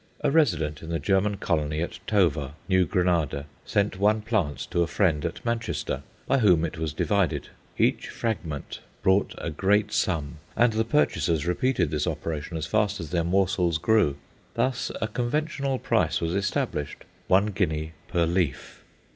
A resident in the German colony at Tovar, New Granada, sent one plant to a friend at Manchester, by whom it was divided. Each fragment brought a great sum, and the purchasers repeated this operation as fast as their morsels grew. Thus a conventional price was established one guinea per leaf.